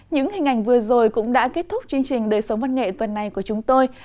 những hình ảnh vừa rồi cũng đã kết thúc chương trình đời sống văn nghệ tuần này của chúng tôi